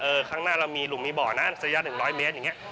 เออข้างหน้าเรามีลุ้มมีบ่อนะสัญญาณ๑๐๐เมตรอย่างนี้